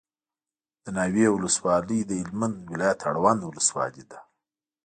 دناوی ولسوالي دهلمند ولایت اړوند ولسوالي ده